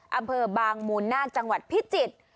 อำเภอบางมูลนาคจังหวัดพิจิตร